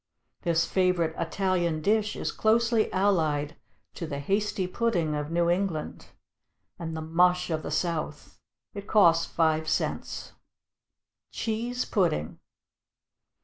This favorite Italian dish is closely allied to the hasty pudding of New England, and the mush of the South. It costs five cents. =Cheese Pudding.